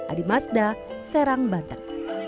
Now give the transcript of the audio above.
adi masda serang banten